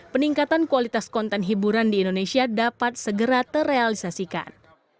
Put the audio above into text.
peningkatan kualitas konten hiburan di indonesia dapat segera terrealisasikan